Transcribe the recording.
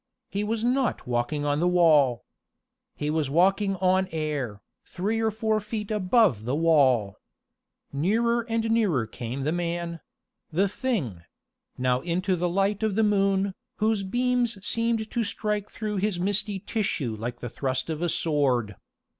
He was not walking on the wall. He was walking on air, three or four feet above the wall. Nearer and nearer came the man the Thing now into the light of the moon, whose beams seemed to strike through his misty tissue like the thrust of a sword.